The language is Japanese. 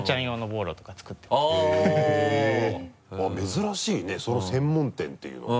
珍しいね専門店っていうのは。